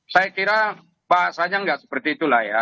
saya kira bahasanya nggak seperti itulah ya